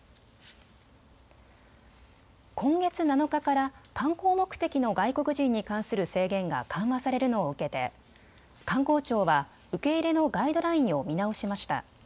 今月７日から観光目的の外国人に関する制限が緩和されるのを受けて観光庁は受け入れのガイドラインを見直しました。